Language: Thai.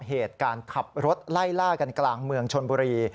เหตุการณ์ขับรถไล่ล่ากันกลางเมืองชนบุรี